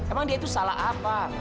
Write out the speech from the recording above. emang dia itu salah apa